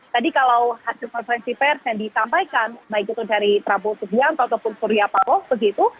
tadi kalau hasil konferensi pers yang disampaikan baik itu dari prabowo subianto ataupun surya paloh begitu